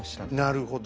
なるほど。